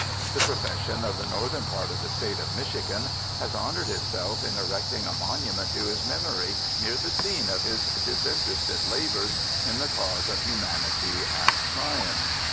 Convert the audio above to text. The profession of the northern part of the state of Michigan has honoured itself in erecting a monument to his memory near the scene of his disinterested labours in the cause of humanity and science.